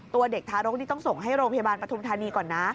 เด็กทารกนี่ต้องส่งให้โรงพยาบาลปฐุมธานีก่อนนะ